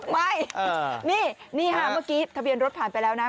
ไม่นี่ค่ะเมื่อกี้ทะเบียนรถผ่านไปแล้วนะ